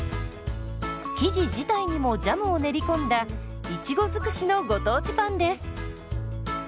生地自体にもジャムを練り込んだいちご尽くしのご当地パンです。